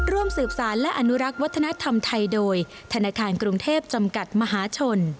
ร่วมสืบสารและอนุรักษ์วัฒนธรรมไทยโดยธนาคารกรุงเทพจำกัดมหาชน